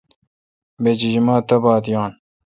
بہ جیجیما تہ بات یاں۔